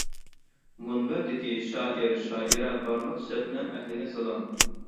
مۇنبەردىكى شائىر-شائىرە بارلىق شەبنەم ئەھلىگە سالام.